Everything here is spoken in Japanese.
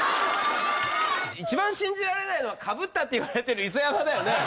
一番信じられないのはかぶったって言われてる磯山だよね。